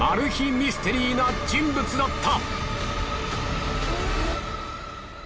ミステリーな人物だった！